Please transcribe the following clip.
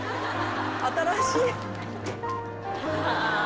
新しい。